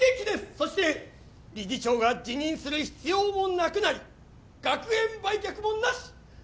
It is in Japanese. そして理事長が辞任する必要もなくなり学園売却もなし！